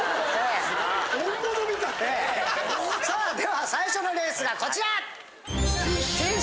さあでは最初のレースがこちら。